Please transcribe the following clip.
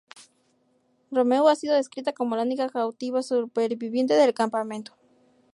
Romeu ha sido descrita como la única cautiva superviviente del campamento.